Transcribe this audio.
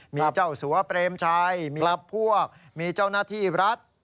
มีเจ้าสัวเปรมชัยมีพวกมีเจ้าหน้าที่รัฐ